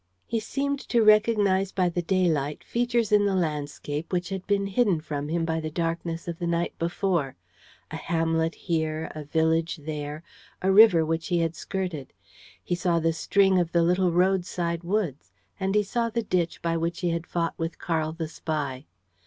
He seemed to recognize by the daylight features in the landscape which had been hidden from him by the darkness of the night before: a hamlet here, a village there, a river which he had skirted. He saw the string of little road side woods, and he saw the ditch by which he had fought with Karl the spy.